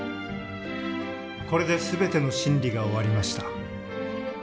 これで全ての審理が終わりました。